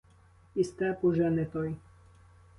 І степ уже не той.